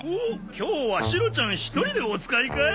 今日はシロちゃん１人でお使いかい？